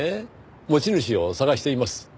持ち主を捜しています。